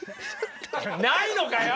ないのかよ！